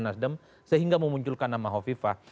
nasdem sehingga memunculkan nama hovifah